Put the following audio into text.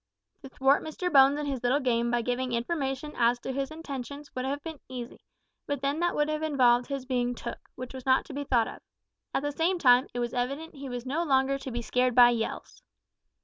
To thwart Mr Bones in his little game by giving information as to his intentions, would have been easy, but then that would have involved his being "took," which was not to be thought of. At the same time, it was evident that he was no longer to be scared by yells.